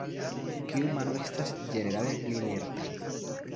Kiu mano estas ĝenerale pli lerta?